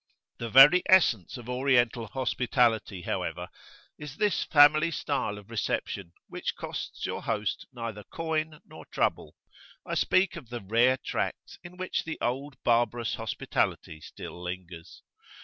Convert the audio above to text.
[FN#10] The very essence of Oriental hospitality, however, is this family style of reception, which costs your host neither coin nor trouble. I speak of the rare tracts in which the old barbarous hospitality still lingers.